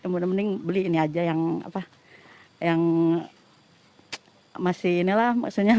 mending mending beli ini aja yang apa yang masih ini lah maksudnya